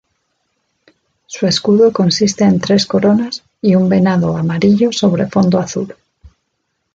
Su escudo consiste en tres coronas y un venado amarillo sobre fondo azul.